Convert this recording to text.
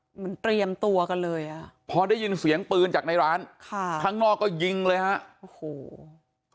เหมือนเตรียมตัวกันเลยอ่ะพอได้ยินเสียงปืนจากในร้านค่ะข้างนอกก็ยิงเลยฮะโอ้โห